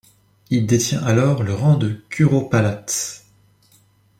Il détient alors le rang de curopalate.